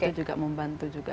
jadi itu juga membantu juga